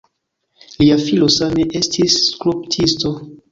Lia filo same estis skulptisto.